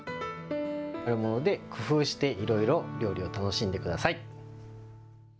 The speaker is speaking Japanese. あるもので工夫していろいろ料理を楽しんでください。